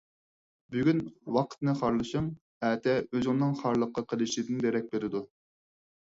بۈگۈن ۋاقىتنى خارلىشىڭ ئەتە ئۆزۈڭنىڭ خارلىققا قېلىشىدىن دېرەك بېرىدۇ.